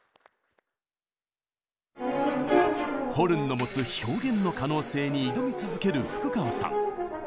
ホルンの持つ「表現の可能性」に挑み続ける福川さん。